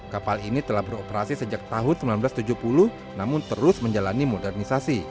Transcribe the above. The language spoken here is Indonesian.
kapal ini telah beroperasi sejak tahun seribu sembilan ratus tujuh puluh namun terus menjalani modernisasi